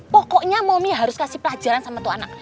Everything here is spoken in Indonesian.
pokoknya momi harus kasih pelajaran sama tu anak